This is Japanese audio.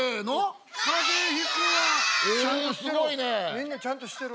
みんなちゃんとしてる。